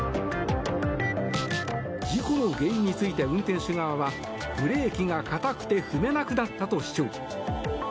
事故の原因について運転手側はブレーキが固くて踏めなくなったと主張。